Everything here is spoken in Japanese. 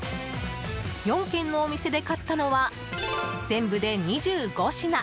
４軒のお店で買ったのは全部で２５品。